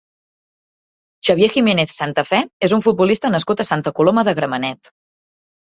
Xavier Jiménez Santafé és un futbolista nascut a Santa Coloma de Gramenet.